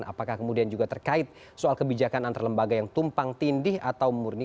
apakah kemudian juga terkait soal kebijakan antar lembaga yang tumpang tindih atau murni